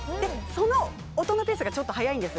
その音のペースがちょっと速いです。